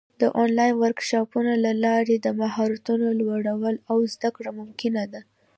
د آنلاین ورکشاپونو له لارې د مهارتونو لوړول او زده کړه ممکنه ده.